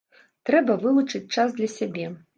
Трэба вылучыць час для сябе.